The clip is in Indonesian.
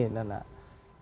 ini kan konsumen